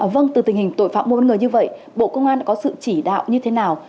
vâng từ tình hình tội phạm mua bán người như vậy bộ công an đã có sự chỉ đạo như thế nào